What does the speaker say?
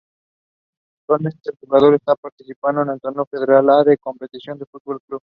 Actualmente el jugador está participando del Torneo Federal A, en Concepción Fútbol Club.